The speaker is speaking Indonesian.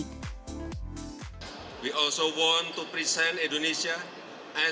kita juga ingin menunjukkan indonesia sebagai